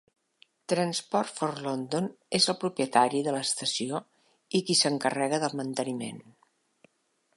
Transport for London és el propietari de l'estació i qui s'encarrega del manteniment.